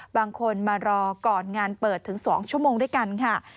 บางคนมารอก่อนงานเปิดถึง๒ชั่วโมงด้วยกันค่ะ